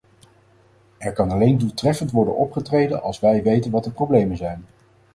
Er kan alleen doeltreffend worden opgetreden als wij weten wat de problemen zijn.